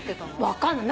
分かんない。